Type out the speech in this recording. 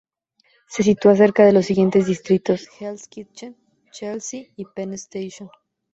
Se sitúa cerca de los siguientes distritos: Hell's Kitchen, Chelsea y Penn Station.